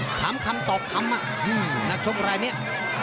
ถามคำต่อกคำน่ะนักชมรายเนี่ย